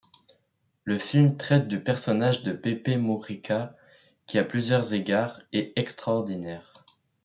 Le film traite du personnage de Pepe Mujica qui, à plusieurs égards, est extraordinaire.